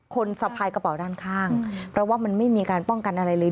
สะพายกระเป๋าด้านข้างเพราะว่ามันไม่มีการป้องกันอะไรเลย